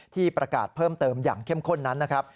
ที่ประกาศเพิ่มเติมอย่างเข้มข้นนั้นนะครับ